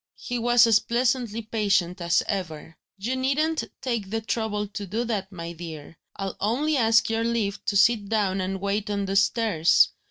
He was as pleasantly patient as ever: "You needn't take the trouble to do that, my dear; I'll only ask your leave to sit down and wait on the stairs.